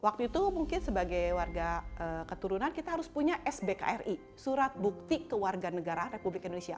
waktu itu mungkin sebagai warga keturunan kita harus punya sbkri surat bukti kewarganegaraan republik indonesia